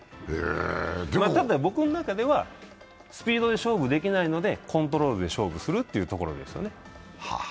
ただ、僕の中ではスピードで勝負できないので、コントロールで勝負するというところですよね。